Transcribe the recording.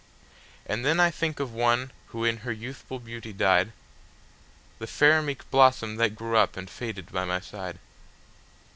And then I think of one who in her youthful beauty died, The fair meek blossom that grew up and faded by my side.